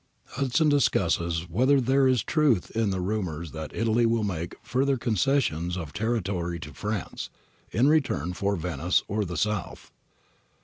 ] Hudson discusses whether there is truth in the rumours APPENDIX A 307 that Italy will make ' further concessions ' of territory to France, in return for Venice or the South.